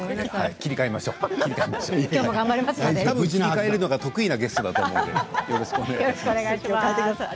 切り替えるのが得意なゲストだと思うのでよろしくお願いします。